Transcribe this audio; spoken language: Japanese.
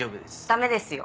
ダメですよ。